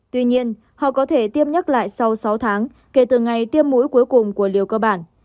tuy nhiên họ có thể tiêm nhắc lại sau sáu tháng kể từ ngày tiêm mũi cuối cùng của liều cơ bản